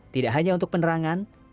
tidak hanya untuk penerangan